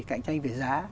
cạnh tranh về giá